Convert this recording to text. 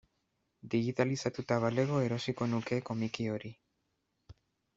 Digitalizatuta balego erosiko nuke komiki hori.